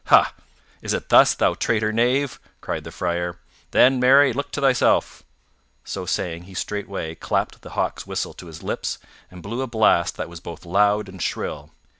"Ha! Is it thus, thou traitor knave!" cried the Friar. "Then, marry, look to thyself!" So saying, he straightway clapped the hawk's whistle to his lips and blew a blast that was both loud and shrill.